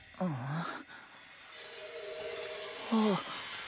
ああ。